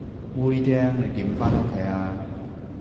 妹釘，你點返屋企啊？